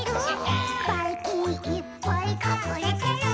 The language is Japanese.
「ばいきんいっぱいかくれてる！」